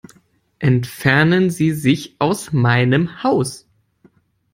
Entfernen Sie sich aus meinem Haus.